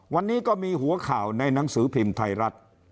วันนี้ก็มีหัวข่าวในหนังสือพิมพ์ไทยรัฐ